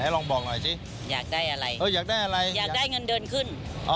ลองบอกหน่อยสิอยากได้อะไรอยากได้เงินเดือนขึ้นอ๋อ